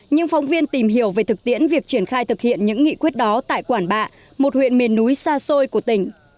nhưng phóng viên tìm hiểu về thực tiễn việc triển khai thực hiện những nghị quyết đó tại quản bạ một huyện miền núi xa xôi của tỉnh